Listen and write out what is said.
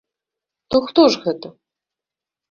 То што ж гэта?